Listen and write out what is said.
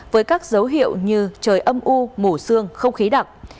với các dấu hiệu như trời âm u mù sương không khí đặc